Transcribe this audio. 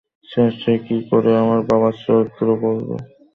Sir, সে কী করে আমার বাবার চরিত্র করবে?